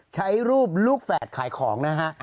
ใช้รูปลูกแฝดขายของนะฮะ